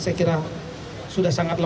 saya kira sudah sangat lemah